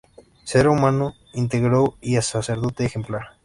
Ser humano íntegro y sacerdote ejemplar.